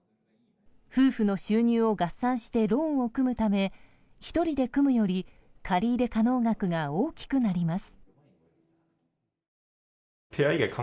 夫婦の収入を合算してローンを組むため１人で組むより借入可能額が大きくなります。